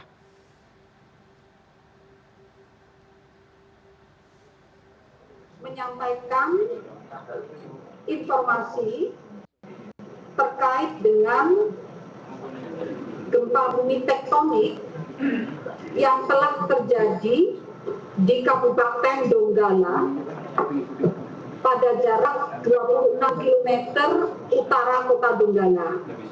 kami akan menjelaskan informasi terkait dengan gempa bumi tektonik yang telah terjadi di kabupaten donggala pada jarak dua puluh enam km utara kota donggala